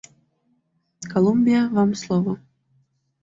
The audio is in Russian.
Колумбия, вам слово.